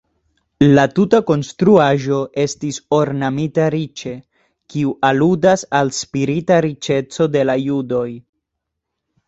La tuta konstruaĵo estas ornamita riĉe, kiu aludas al spirita riĉeco de la judoj.